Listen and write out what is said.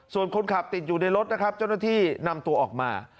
ส่วนคนขับติดอยู่ในรถนะครับเจ้าหน้าที่นำตัวออกมา